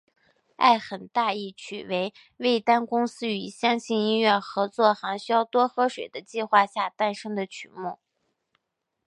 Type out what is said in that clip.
爱很大一曲为味丹公司与相信音乐合作行销多喝水的计划下诞生的曲目。